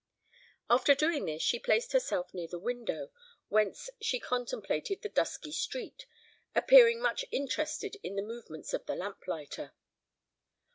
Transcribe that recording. After doing this she placed herself near the window, whence she contemplated the dusky street, appearing much interested in the movements of the lamp lighter.